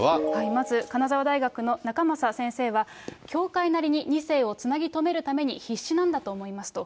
まず金沢大学の仲正先生は、教会なりに２世をつなぎ止めるために必死なんだと思いますと。